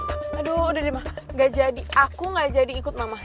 aduh udah deh mah gak jadi aku gak jadi ikut mama